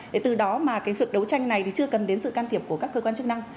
để từ đó mà cái việc đấu tranh này thì chưa cần đến sự can thiệp của các cơ quan chức năng